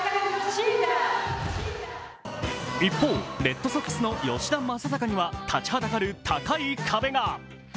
一方、レッドソックスの吉田正尚には立ちはだかる高い壁が。